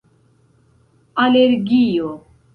alergio